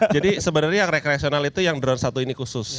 jadi sebenarnya yang rekreasional itu yang drone satu ini khusus